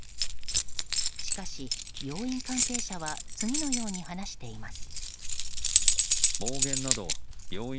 しかし、病院関係者は次のように話しています。